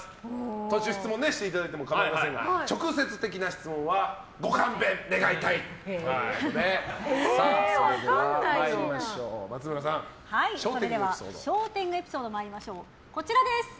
途中、質問をしていただいてもかまいませんが直接的な質問はご勘弁願いたいということで松村さん、小天狗エピソード。